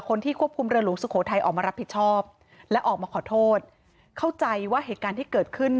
ควบคุมเรือหลวงสุโขทัยออกมารับผิดชอบและออกมาขอโทษเข้าใจว่าเหตุการณ์ที่เกิดขึ้น